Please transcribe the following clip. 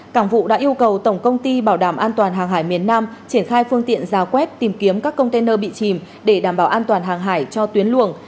cảng vụ đã yêu cầu tổng công ty bảo đảm an toàn hàng hải miền nam triển khai phương tiện ra quét tìm kiếm các container bị chìm để đảm bảo an toàn hàng hải cho tuyến luồng